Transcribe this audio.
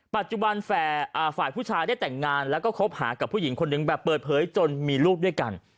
ฝ่ายผู้ชายได้แต่งงานแล้วก็คบหากับผู้หญิงคนหนึ่งแบบเปิดเผยจนมีลูกด้วยกัน